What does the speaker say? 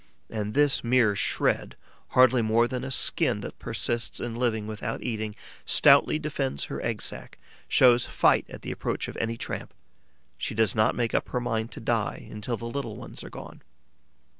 And this mere shred, hardly more than a skin that persists in living without eating, stoutly defends her egg sack, shows fight at the approach of any tramp. She does not make up her mind to die until the little ones are gone.